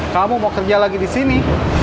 kamu mau kerja lagi di sini